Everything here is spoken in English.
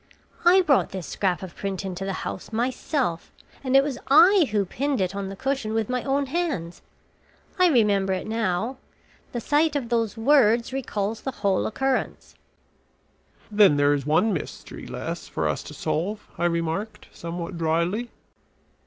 I brought this scrap of print into the house myself and it was I who pinned it on the cushion with my own hands! I remember it now. The sight of those words recalls the whole occurrence." "Then there is one mystery less for us to solve," I remarked, somewhat dryly.